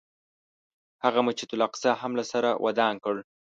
هغه مسجد الاقصی هم له سره ودان کړ.